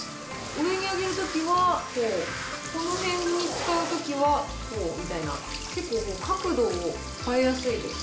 上に上げるときはこう、この辺に使うときはこうみたいな、結構角度を変えやすいです。